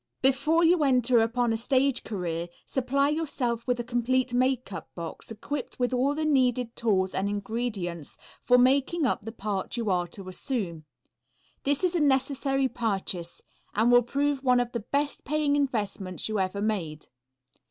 Before you enter upon a stage career supply yourself with a complete makeup box equipped with all the needed tools and ingredients for making up for the part you are to assume. This is a necessary purchase, and will prove one of the best paying investments you ever made.